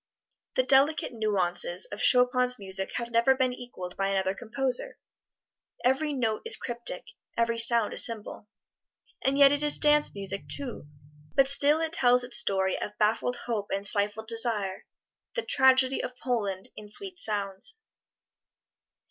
The delicate nuances of Chopin's music have never been equaled by another composer; every note is cryptic, every sound a symbol. And yet it is dance music, too, but still it tells its story of baffled hope and stifled desire the tragedy of Poland in sweet sounds.